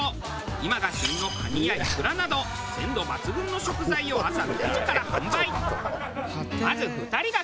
今が旬のカニやイクラなど鮮度抜群の食材を朝６時から販売。